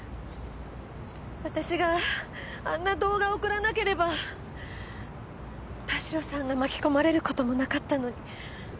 私があんな動画を送らなければ田代さんが巻き込まれる事もなかったのに。